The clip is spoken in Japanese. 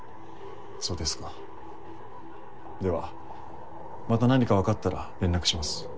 そうですかではまた何かわかったら連絡します。